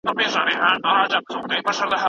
او پیاله دې په لاسونو کې توده شوه